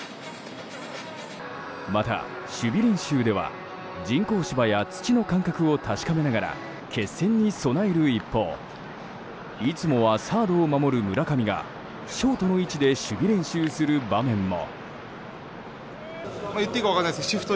また、守備練習では人工芝や土の感覚を確かめながら決戦に備える一方いつもはサードを守る村上がショートの位置で守備練習する場面も。